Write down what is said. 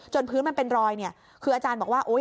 จนพื้นมันเป็นรอยคืออาจารย์บอกว่า